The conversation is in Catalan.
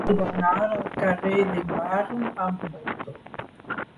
He d'anar al carrer del Marne amb moto.